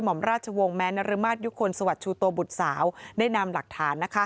หมอมราชวงศ์แม้นรมาศยุคลสวัสดิชูโตบุตรสาวได้นำหลักฐาน